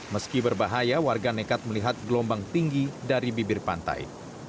meski berbahaya warga nekat melihat gelombang tinggi dari bibir pantai